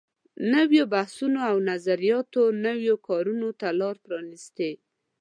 نويو بحثونو او نظریاتو نویو کارونو ته لارې پرانیستلې.